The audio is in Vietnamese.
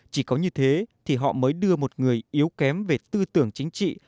chỉ có như thế thì họ mới đưa một người yếu kém về tư tưởng chính trị